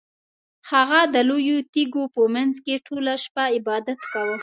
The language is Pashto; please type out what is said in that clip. هغه د لویو تیږو په مینځ کې ټوله شپه عبادت کاوه.